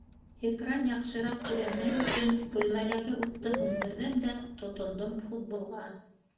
Экран яҡшыраҡ күренһен өсөн бүлмәләге утты һүндерҙем дә тотондом футболға.